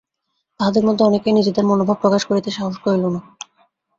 তাহাদের মধ্যে অনেকেই নিজেদের মনোভাব প্রকাশ করিতে সাহস করিল না।